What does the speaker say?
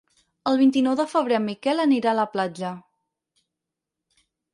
El vint-i-nou de febrer en Miquel anirà a la platja.